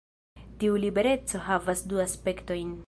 Tiu libereco havas du aspektojn.